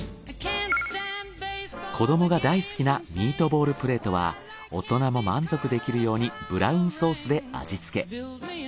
子どもが大好きなミートボールプレートは大人も満足できるようにブラウンソースで味付け。